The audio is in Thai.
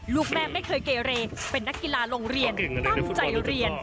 ลูกแม่ไม่เคยเกเรเป็นนักกีฬาโรงเรียนตั้งใจเรียน